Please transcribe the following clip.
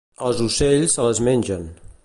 Els ocells se les mengen.